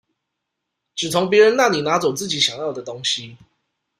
只從別人那裡拿走自己想要的東西